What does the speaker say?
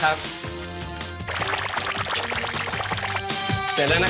กะเพราทอดไว้